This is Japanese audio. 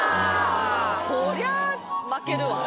こりゃ負けるわ。